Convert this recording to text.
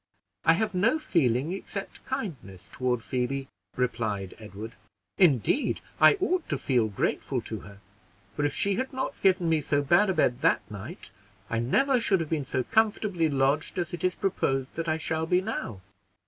"I have no feeling except kindness toward Phoebe," replied Edward; "indeed I ought to feel grateful to her; for if she had not given me so bad a bed that night, I never should have been so comfortably lodged as it is proposed that I shall be now."